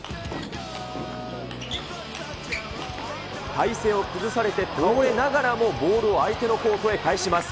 体勢を崩されて、倒れながらもボールを相手のコートへ返します。